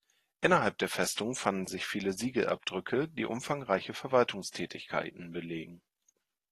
Innerhalb der Festung fanden sich viele Siegelabdrücke, die umfangreiche Verwaltungstätigkeiten belegen.